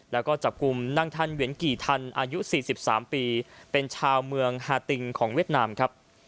แล้วก็จับกลุ่มนางทันเหวียนกี่ทันอายุ๔๓ปีเป็นชาวเมืองฮาติงของเวียดนามครับ